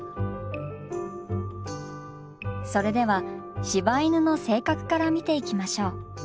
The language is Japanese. それでは柴犬の性格から見ていきましょう。